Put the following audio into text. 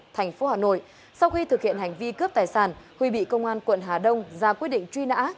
thành phố hà nội sau khi thực hiện hành vi cướp tài sản huy bị công an quận hà đông ra quyết định truy nã